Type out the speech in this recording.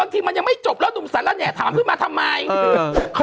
นุ่มมันยังไม่จบแล้วนุ่มสั่นแหละเนี่ยถามข้างบนมาทำไม